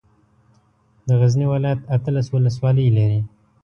د غزني ولايت اتلس ولسوالۍ لري.